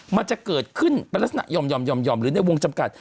มันจะเกิดขึ้นเป็นลักษณะหย่อมหรือในวงจำกัด